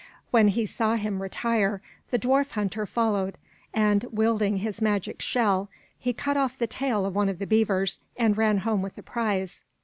When he saw him retire, the dwarf hunter followed, and, wielding his magic shell, he cut off the tail of one of the heavers and ran home with the prize.